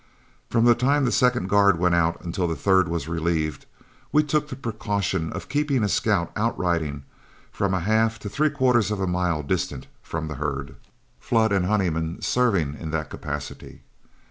From the time the second guard went on until the third was relieved, we took the precaution of keeping a scout outriding from a half to three quarters of a mile distant from the herd, Flood and Honeyman serving in that capacity.